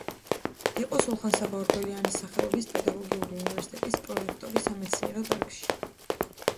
იყო სულხან-საბა ორბელიანის სახელობის პედაგოგიური უნივერსიტეტის პრორექტორი სამეცნიერო დარგში.